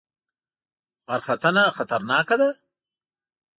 غرختنه خطرناکه ده؟